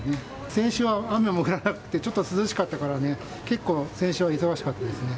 先週は雨も降らなくて、ちょっと涼しかったからね、結構、先週は忙しかったですね。